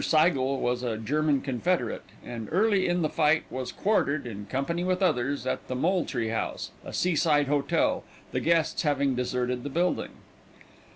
Seigel was a German Confederate, and early in the fight was quartered, in company with others, at the Moultrie House, a seaside hotel, the guests having deserted the building.